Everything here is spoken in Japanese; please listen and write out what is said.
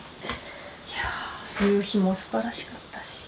いやあ夕日も素晴らしかったし。